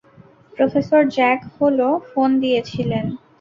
Professor, Jack Hall phone দিয়েছেন।